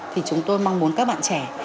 thì chúng tôi mong muốn các bạn trẻ